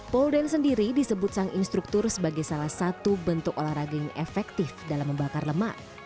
pole dance sendiri disebut sang instruktur sebagai salah satu bentuk olahraga yang efektif dalam membakar lemak